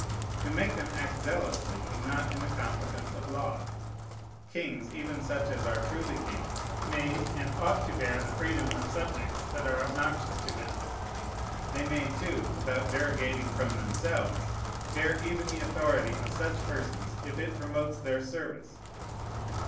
To make them act zealously is not in the competence of law. Kings, even such as are truly kings, may and ought to bear the freedom of subjects that are obnoxious to them. They may, too, without derogating from themselves, bear even the authority of such persons, if it promotes their service.